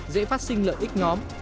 dễ phát sinh lợi ích nhóm